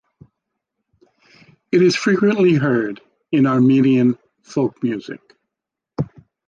It is frequently heard in Armenian folk music.